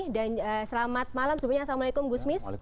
dan selamat malam semuanya assalamualaikum gusmis